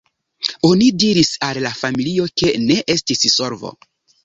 Oni diris al la familio ke ne estis solvo”.